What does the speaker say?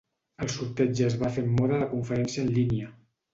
El sorteig es va fer en mode de conferència en línia.